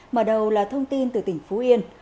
mở đầu là thông tin từ tỉnh phú yên